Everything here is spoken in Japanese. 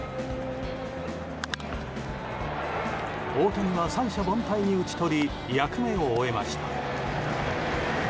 大谷は三者凡退に打ち取り役目を終えました。